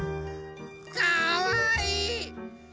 かわいい！